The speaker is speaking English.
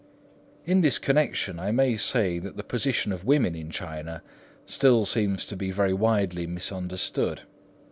In this connection I may say that the position of women in China still seems to be very widely misunderstood.